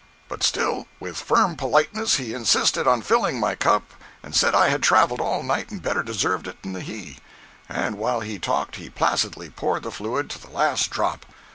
But still with firm politeness he insisted on filling my cup, and said I had traveled all night and better deserved it than he—and while he talked he placidly poured the fluid, to the last drop.